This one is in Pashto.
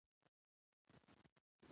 اول زه پوهه نه وم